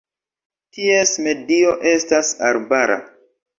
Ties medio estas arbara.